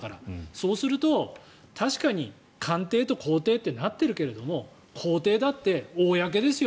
そうすると確かに官邸と公邸ってなっているけれども公邸だって公ですよ